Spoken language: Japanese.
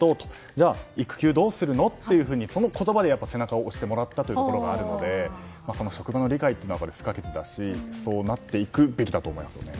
じゃあ育休どうするの？って言葉で背中を押してもらったところがあるので職場の理解は不可欠だしそうなっていくべきだと思います。